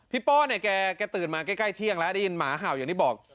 ป้อเนี่ยแกตื่นมาใกล้เที่ยงแล้วได้ยินหมาเห่าอย่างที่บอก